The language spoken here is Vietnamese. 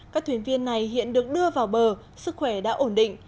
các thuyền viên này hiện được đưa vào bờ sức khỏe đã ổn định